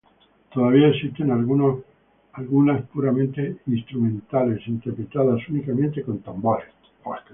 Todavía existen algunas puramente instrumentales, interpretadas únicamente con tambores.